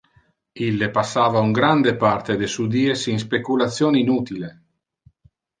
Ille passava un grande parte de su dies in speculation inutile.